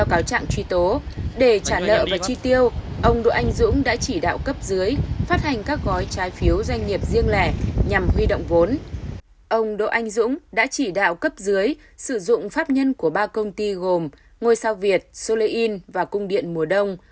ông đỗ anh dũng đã chỉ đạo cấp dưới sử dụng pháp nhân của ba công ty gồm ngôi sao việt sô lê yên và cung điện mùa đông